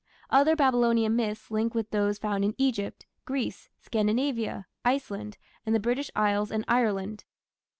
Other Babylonian myths link with those found in Egypt, Greece, Scandinavia, Iceland, and the British Isles and Ireland.